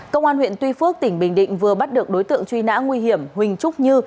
công an huyện tuy phước tỉnh bình định vừa bắt được đối tượng truy nã nguy hiểm huỳnh trúc như